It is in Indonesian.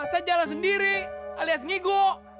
saya jalan sendiri alias ngigok